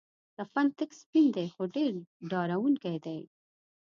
کفن تک سپین دی خو ډیر ډارونکی دی.